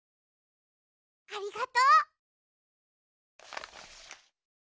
ありがとう。